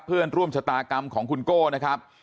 เพื่อนร่วมชะตากรรมของคุณโก้นะครับ